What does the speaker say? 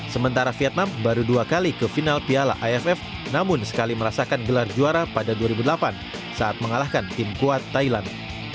sementara vietnam baru dua kali ke final piala aff namun sekali merasakan gelar juara pada dua ribu delapan saat mengalahkan tim kuat thailand